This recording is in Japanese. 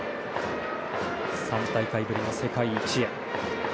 ３大会ぶりの世界一へ。